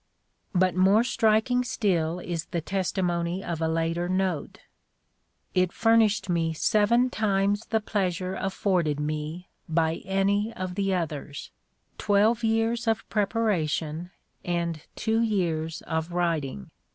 But more striking still is the testimony of a later note: "It furnished me seven times the pleasure afforded me by any of the others: twelve years of preparation and two years of writing.